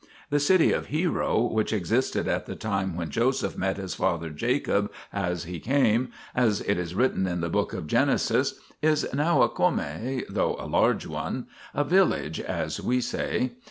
The city of Hero, 3 which existed at the time when Joseph met his father Jacob as he came, as it is written in the book of Genesis, is now a come* though a large one a village as we say.